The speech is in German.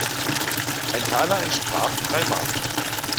Ein Taler entsprach drei Mark.